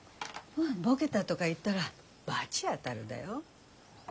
ボケたとか言ったらバチ当たるだよ。